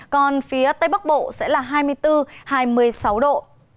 còn phía tây bắc bộ sẽ là hai mươi bốn hai mươi sáu độ